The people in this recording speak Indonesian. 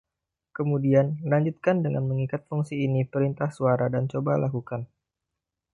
Kemudian, lanjutkan dengan mengikat fungsi ini ke perintah suara dan coba lakukan.